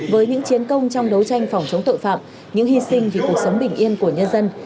với những chiến công trong đấu tranh phòng chống tội phạm những hy sinh vì cuộc sống bình yên của nhân dân